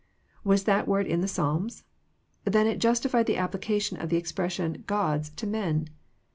Was that word in the^Psalms ? Then it justified the application of the expression '* gods " to men.